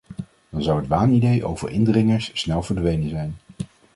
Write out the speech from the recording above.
Dan zou het waanidee over indringers snel verdwenen zijn.